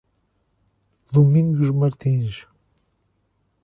Domingos Martins